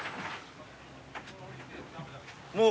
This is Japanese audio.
もう。